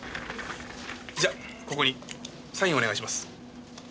じゃあここにサインをお願いします。